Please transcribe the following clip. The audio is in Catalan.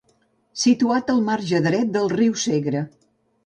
Situat al marge dret del riu Segre.